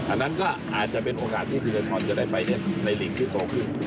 อันนั้นก็อาจจะเป็นโอกาสที่ธีรทรจะได้ไปเล่นในหลีกที่โตขึ้น